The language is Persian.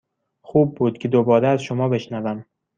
خوب بود که دوباره از شما بشنوم.